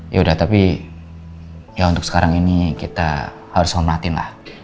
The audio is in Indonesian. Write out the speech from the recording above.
yaudah tapi ya untuk sekarang ini kita harus homratin lah